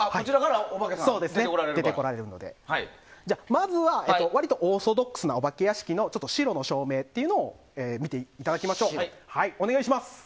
まずは、割りとオーソドックスなお化け屋敷の白の照明というのを見ていただきましょう。